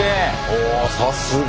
おさすが！